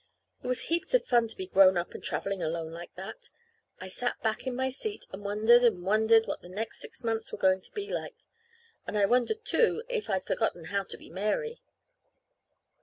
It was heaps of fun to be grown up and traveling alone like that! I sat back in my seat and wondered and wondered what the next six months were going to be like. And I wondered, too, if I'd forgotten how to be "Mary."